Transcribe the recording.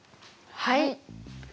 はい。